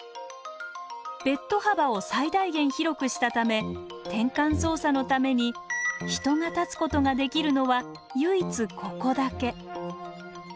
ベッド幅を最大限広くしたため転換操作のために人が立つことができるのは唯一ここだけ。